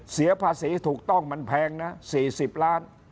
เสียภาษีถูกต้องมันแพงนะ๔๐ล้าน